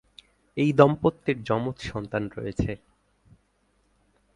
এই দম্পতির যমজ সন্তান রয়েছে।